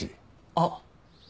あっ！